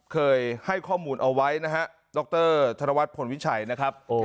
เคยให้ข้อมูลเอาไว้นะฮะดรธนวัฒนพลวิชัยนะครับ